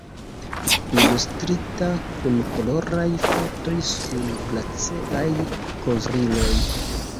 Ilustrita, kun koloraj fotoj sur glaceaj kovriloj.